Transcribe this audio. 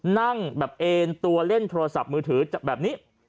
นั่งแบบเอ็นตัวเล่นโทรศัพท์มือถือแบบนี้